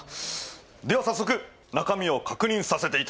では早速中身を確認させていただきます！